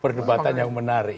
perdebatan yang menarik